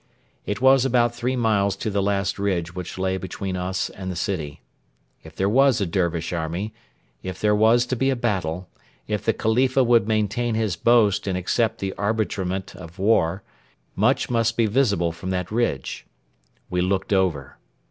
It was about three miles to the last ridge which lay between us and the city. If there was a Dervish army, if there was to be a battle, if the Khalifa would maintain his boast and accept the arbitrament of war, much must be visible from that ridge. We looked over.